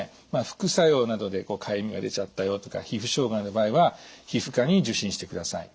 副作用などでかゆみが出ちゃったよとか皮膚障害の場合は皮膚科に受診してください。